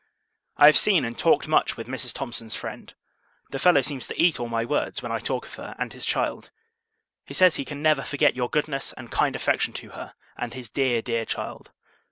I have seen, and talked much with, Mrs. Thomson's friend. The fellow seems to eat all my words, when I talk of her and his child! He says, he never can forget your goodness and kind affection to her and his dear, dear child.